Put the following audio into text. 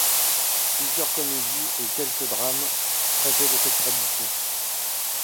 Plusieurs comédies et quelques drames traitent de cette tradition.